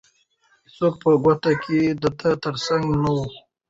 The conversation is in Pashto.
هیڅوک په کوټه کې د ده تر څنګ نه وو.